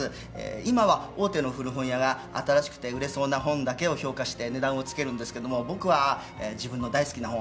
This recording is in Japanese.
今は大手の古本屋が新しくて売れそうな本だけを評価して値段をつけるんですけども僕は自分の大好きな本。